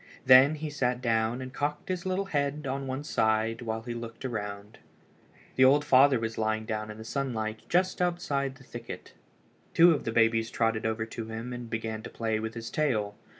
Then he sat down and cocked his little head on one side while he looked around. The old father was lying down in the sunlight just outside the thicket. Two of the babies trotted over to him and began to play with his tail.